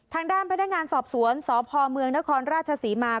ทางด้านพนักงานสอบสวนสพเมืองนครราชศรีมา